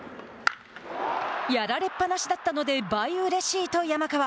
「やられっ放しだったので倍、うれしい」と山川。